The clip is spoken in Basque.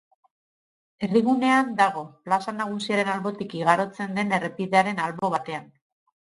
Herrigunean dago, plaza nagusiaren albotik igarotzen den errepidearen albo batean.